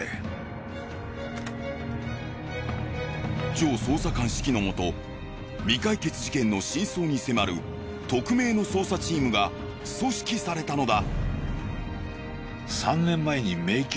ジョー捜査官指揮のもと未解決事件の真相に迫る特命の捜査チームが組織されたのだ。